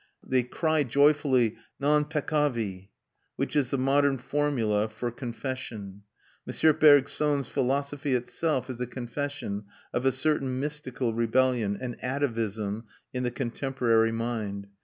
They cry joyfully, non peccavi, which is the modern formula for confession. M. Bergson's philosophy itself is a confession of a certain mystical rebellion and atavism in the contemporary mind.